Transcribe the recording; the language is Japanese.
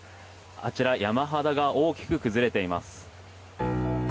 あちら山肌が大きく崩れています。